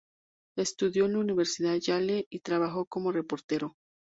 Estudió en la Universidad Yale y trabajó como reportero.